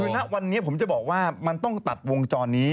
คือณวันนี้ผมจะบอกว่ามันต้องตัดวงจรนี้